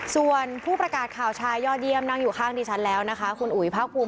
ส่วนผู้ประกาศข่าวชายยอดเยี่ยมนั่งอยู่ข้างดิฉันแล้วนะคะคุณอุ๋ยภาคภูมิ